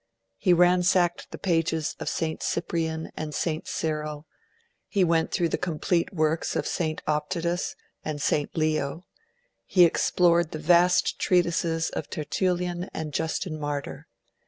He ransacked the pages of St. Cyprian and St. Cyril; he went through the complete works of St. Optatus and St. Leo; he explored the vast treatises of Tertullian and Justin Martyr.